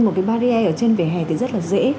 một cái barrier ở trên vỉa hè thì rất là dễ